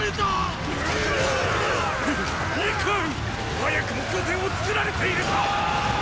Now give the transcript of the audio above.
早くも拠点を作られているぞォ！